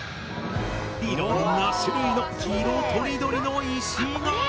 いろんな種類の色とりどりの石が！